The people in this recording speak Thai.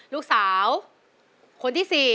ลูกสาวคนที่สี่